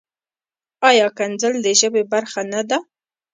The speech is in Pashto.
ایا کنځل د ژبې برخه نۀ ده؟